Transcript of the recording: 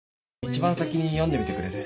一番先に読んでみてくれる？